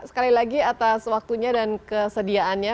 sekali lagi atas waktunya dan kesediaannya